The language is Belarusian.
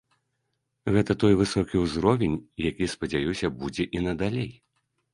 Гэта той высокі ўзровень, які, спадзяюся, будзе і надалей.